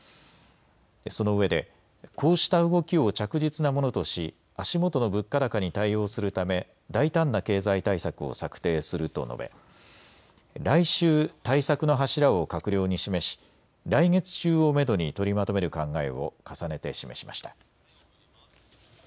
そのうえでこうした動きを着実なものとし、足元の物価高に対応するため大胆な経済対策を策定すると述べ来週、対策の柱を閣僚に示し来月中をめどに取りまとめる考えを重ねて示しました。